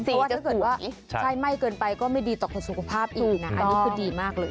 เพราะว่าถ้าเกิดว่าใช่ไหม้เกินไปก็ไม่ดีต่อคนสุขภาพอีกนะอันนี้คือดีมากเลย